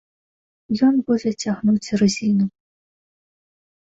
Ён будзе цягнуць рызіну.